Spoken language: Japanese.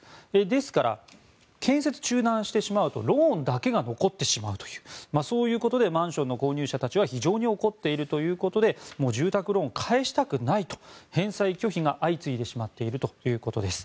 ですから、建設中断してしまうとローンだけが残ってしまうということでマンションの購入者たちは非常に怒っているということでもう住宅ローンを返したくないと返済拒否が相次いでしまっているということです。